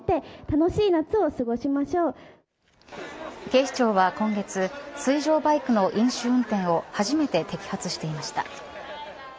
警視庁は今月水上バイクの飲酒運転を初めて摘発していました。